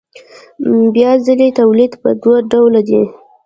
بیا ځلي تولید په دوه ډوله دی